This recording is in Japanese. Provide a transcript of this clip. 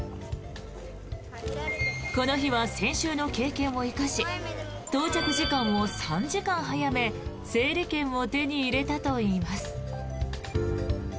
この日は先週の経験を生かし到着時間を３時間早め整理券を手に入れたといいます。